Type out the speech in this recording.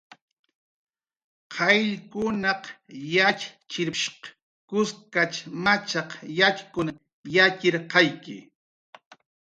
"Qayllkunaq yatxchirp""shq kuskach machaq yatxkun yatxirqayki"